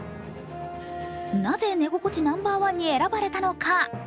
なぜ寝心地ナンバーワンに選ばれたのか。